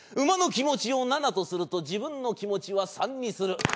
馬の気持ちを７とすると自分の気持ちは３にする。